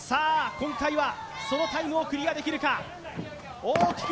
今回はそのタイムをクリアできるか焦んない！